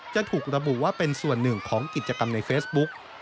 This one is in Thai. จะถูกระบุว่าเป็นส่วนหนึ่งของกิจกรรมในเฟซบุ๊ก